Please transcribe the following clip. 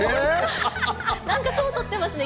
なんか、賞取ってますね。